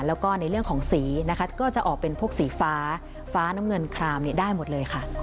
แล้วก็ในเรื่องของสีนะคะก็จะออกเป็นพวกสีฟ้าฟ้าน้ำเงินครามได้หมดเลยค่ะ